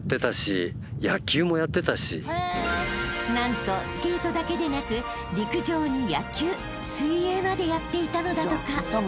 ［何とスケートだけでなく陸上に野球水泳までやっていたのだとか］